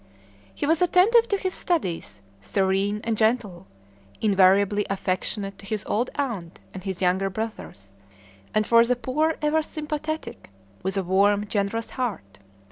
He was attentive to his studies, serene, and gentle, invariably affectionate to his old aunt and his younger brothers, and for the poor ever sympathetic, with a warm, generous heart.